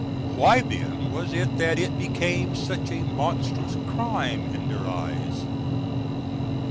Why then was it that it became such a monstrous crime in their eyes?